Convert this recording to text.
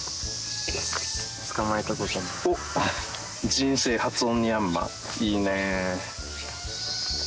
人生初オニヤンマいいね。